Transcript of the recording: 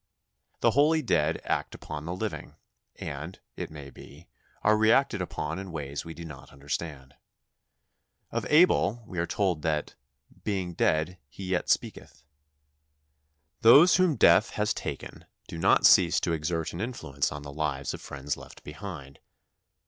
The holy dead act upon the living, and, it may be, are reacted upon in ways we do not understand. Of Abel we are told that "being dead, he yet speaketh." Those whom death has taken do not cease to exert an influence on the lives of friends left behind.